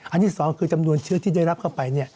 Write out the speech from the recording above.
ที่๒คือจำนวนเชื้อที่ได้รับเข้าไป